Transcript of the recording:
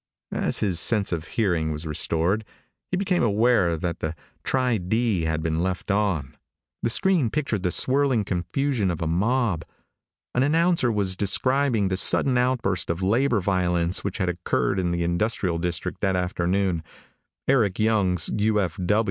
As his sense of hearing was restored, he became aware that the Tri D had been left on. The screen pictured the swirling confusion of a mob. An announcer was describing the sudden outburst of labor violence which had occurred in the industrial district that afternoon. Eric Young's U.